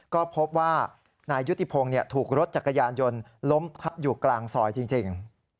ก็พบว่านายยุติพงศ์ถูกรถจักรยานยนต์ล้มทับอยู่กลางซอยจริง